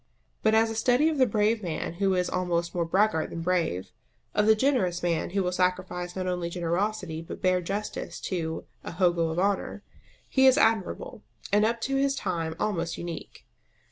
But as a study of the brave man who is almost more braggart than brave, of the generous man who will sacrifice not only generosity but bare justice to "a hogo of honour," he is admirable, and up to his time almost unique.